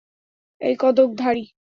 এই কদক ধারি!